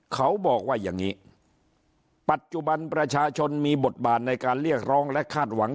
เขาบอกว่าอย่างนี้ปัจจุบันประชาชนมีบทบาทในการเรียกร้องและคาดหวัง